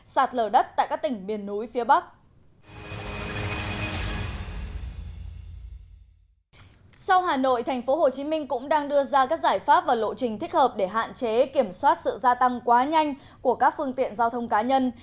sau hà nội tp hcm cũng đang đưa ra các giải pháp và lộ trình thích hợp để hạn chế kiểm soát sự gia tăng quá nhanh của các phương tiện giao thông cá nhân